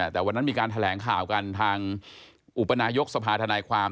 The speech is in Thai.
แต่วันนั้นมีการแถลงข่าวกันทางอุปนายกสภาธนายความ